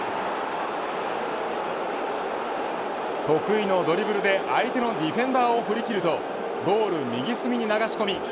得意のドリブルで相手のディフェンダーを振り切るとゴール右隅に流し込み